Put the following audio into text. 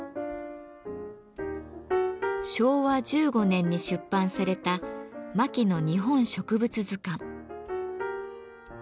昭和１５年に出版された「牧野日本植物図鑑」。